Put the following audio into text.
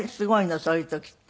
そういう時って。